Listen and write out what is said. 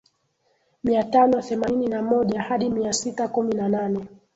Mia tano themanini na moja hadi mia sita kumi na nane